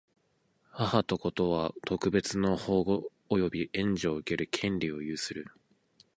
母と子とは、特別の保護及び援助を受ける権利を有する。